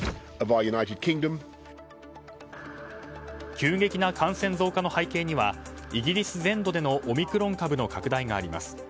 急激な感染増加の背景にはイギリス全土でのオミクロン株の拡大があります。